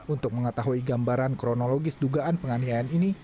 untuk mengetahui gambaran kronologis dugaan penganiayaan ini